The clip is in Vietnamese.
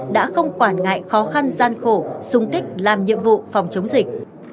đã không quản ngại khó khăn gian khổ xung kích làm nhiệm vụ phòng chống dịch